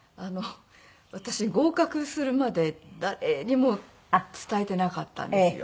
私合格するまで誰にも伝えていなかったんですよ。